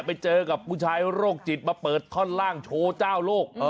ไปเจอกับผู้ชายโรคจิตมาเปิดท่อนล่างโชว์เจ้าโลก